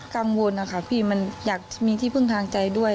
กังวลนะคะพี่มันอยากมีที่พึ่งทางใจด้วย